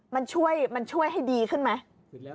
มันช่วยมันช่วยให้ดีขึ้นไหม